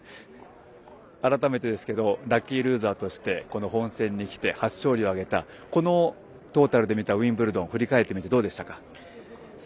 改めてですけどラッキールーザーとしてこの本戦にきて、初勝利を挙げたこのトータルで見たウィンブルドン振り返ってみてどうでしたか。